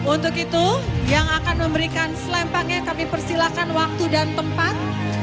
untuk itu yang akan memberikan selempaknya kami persilahkan waktu dan tempat